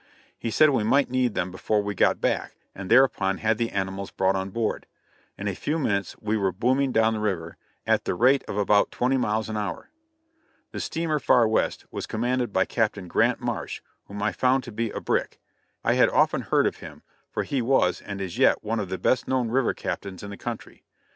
He said we might need them before we got back, and thereupon we had the animals brought on board. In a few minutes we were booming down the river, at the rate of about twenty miles an hour. The steamer Far West was commanded by Captain Grant Marsh, whom I found to be a "brick." I had often heard of him, for he was and is yet one of the best known river captains in the country.